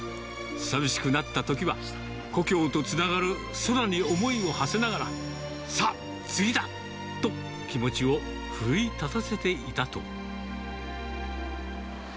寂しくなったときは、故郷とつながる空に思いをはせながら、さあ！次だ！と、気持ちを奮い立たせていたと。